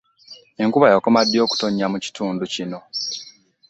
Enkuba yakoma ddi okutonnya mu kitundu kino?